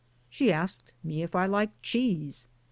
She asked me if I liked cheese.